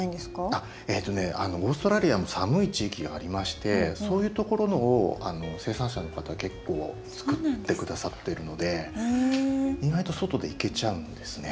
あっえとねオーストラリアも寒い地域がありましてそういうところのを生産者の方結構作って下さってるので意外と外でいけちゃうんですね。